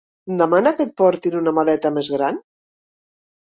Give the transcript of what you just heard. Demana que et portin una maleta més gran?